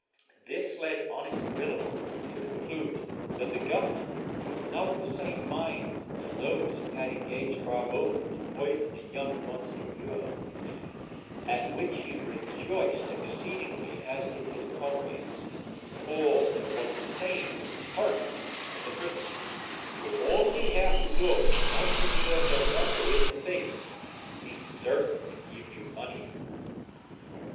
This led honest Grillo to conclude that the Governor was not of the same mind as those who had engaged Barbone to poison the young Monsignor; at which he rejoiced exceedingly, as did his comrades, for there was a saying current in the prison "You have only to look Monsignor del Dongo in the face; he is certain to give you money."